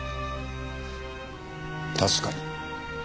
確かに。